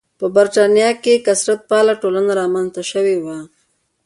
په برېټانیا کې کثرت پاله ټولنه رامنځته شوې وه.